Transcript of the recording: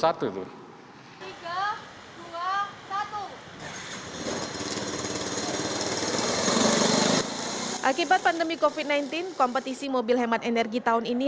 akibat pandemi covid sembilan belas kompetisi mobil hemat energi tahun ini